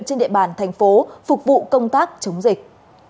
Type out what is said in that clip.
trên địa bàn thành phố phục vụ công tác chống dịch